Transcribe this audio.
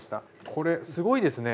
これすごいですね。